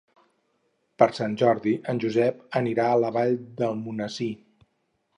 Per Sant Jordi en Josep anirà a la Vall d'Almonesir.